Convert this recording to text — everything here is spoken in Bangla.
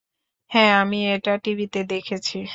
হ্যাঁ, আমি এটা টিভিতে দেখেছি।